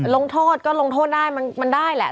ลงโทษก็ลงโทษได้มันได้แหละ